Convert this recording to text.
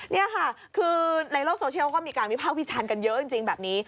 นี่ค่ะคือในโลกโซเชียลก็มีการวิภาควิจารณ์กันเยอะจริงแบบนี้